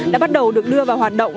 đã bắt đầu được đưa vào hoạt động